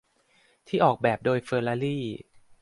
ที่ออกแบบโดยเฟอรารี่